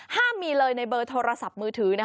ห้ามมีเลยในเบอร์โทรศัพท์มือถือ